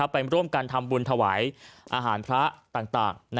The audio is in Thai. ไปร่วมกันทำบุญถวายอาหารพระต่าง